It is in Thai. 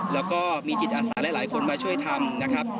แล้วก็มีจิตอาสาหลายคนมาช่วยทำนะครับ